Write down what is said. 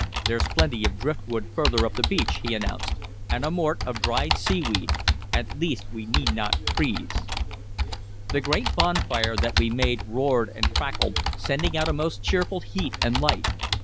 "There's plenty of driftwood further up the beach," he announced, "and a mort of dried seaweed. At least we need n't freeze." The great bonfire that we made roared and crackled, sending out a most cheerful heat and light.